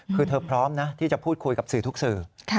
คือเธอพร้อมนะที่จะพูดคุยกับสื่อทุกสื่อ